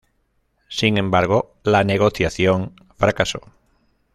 Sin embargo, la negociación fracasó.